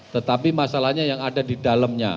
tetapi masalahnya yang ada di dalamnya